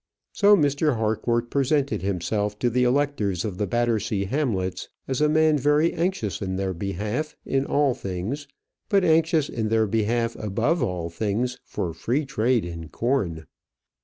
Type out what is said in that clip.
So Mr. Harcourt presented himself to the electors of the Battersea Hamlets as a man very anxious in their behalf in all things, but anxious in their behalf above all things for free trade in corn.